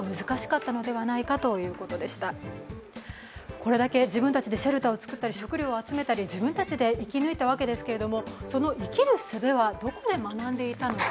これだけ自分たちでシェルターを作ったり食料を調達したりして自分たちで生き抜いたわけですけどその生きるすべはどこで学んでいたのか。